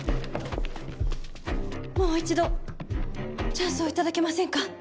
もう一度チャンスを頂けませんか？